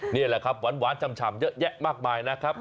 นี่แหละครับหวานฉ่ำเยอะแยะมากมายนะครับ